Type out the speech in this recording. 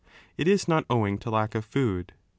' It is not owing to lack of food.